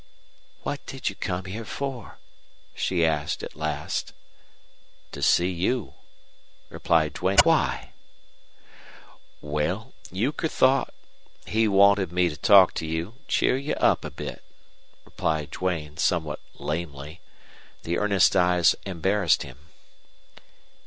"What did you come here for?" she asked, at last. "To see you," replied Duane, glad to speak. "Why?" "Well Euchre thought he wanted me to talk to you, cheer you up a bit," replied Duane, somewhat lamely. The earnest eyes embarrassed him.